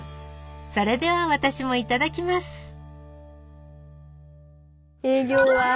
それでは私もいただきますああ。